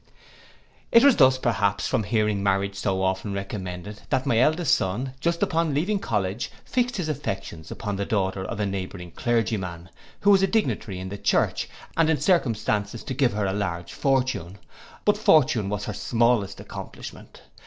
It was thus, perhaps, from hearing marriage so often recommended, that my eldest son, just upon leaving college, fixed his affections upon the daughter of a neighbouring clergyman, who was a dignitary in the church, and in circumstances to give her a large fortune: but fortune was her smallest accomplishment.